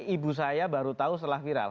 ibu saya baru tahu setelah viral